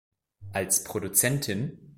Als Produzentin